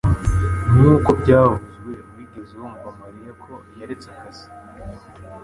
Nkuko byavuzwe wigeze wumva ko Mariya yaretse akazi